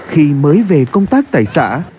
khi mới về công tác tại xã